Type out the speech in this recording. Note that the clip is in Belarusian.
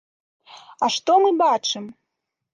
А што мы бачым?